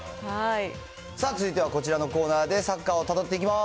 続いてはこちらのコーナーでサッカーをたどっていきます。